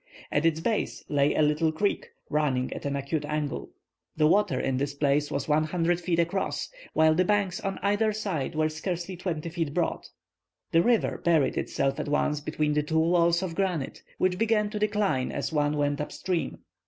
At its base lay a little creek, running at an acute angle. The water in this place was 100 feet across, while the banks on either side were scarcely 20 feet broad. The river buried itself at once between the two walls of granite, which began to decline as one went up stream.